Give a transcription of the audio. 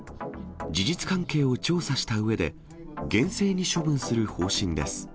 事実関係を調査したうえで、厳正に処分する方針です。